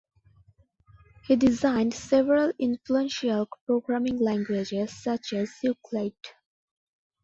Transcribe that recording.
He designed several influential programming languages such as Euclid.